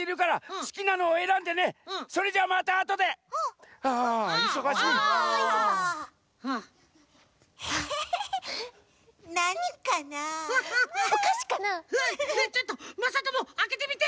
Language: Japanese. じゃあちょっとまさともあけてみて！